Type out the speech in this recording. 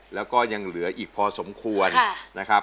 แล้วก็ยังเหลืออีกพอสมควรนะครับ